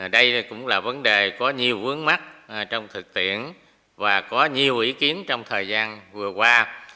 đây cũng là vấn đề có nhiều vướng mắt trong thực tiễn và có nhiều ý kiến trong thời gian vừa qua